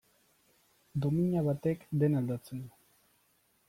Domina batek dena aldatzen du.